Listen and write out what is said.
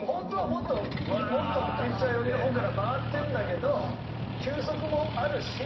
もっとピッチャー寄りのほうから曲がってるんだけど球速もあるし